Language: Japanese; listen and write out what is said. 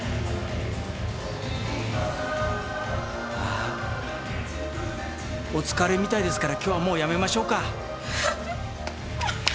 あっお疲れみたいですから今日はもうやめましょうか。